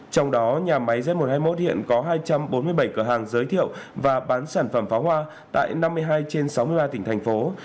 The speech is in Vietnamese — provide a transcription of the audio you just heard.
trong đó nhà máy z một trăm hai mươi một hiện có hai trăm bốn mươi bảy cửa hàng giới thiệu và bán sản phẩm pháo hoa tại năm mươi hai trên sáu mươi ba tỉnh thành phố